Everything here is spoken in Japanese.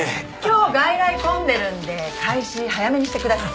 今日外来混んでるので開始早めにしてください。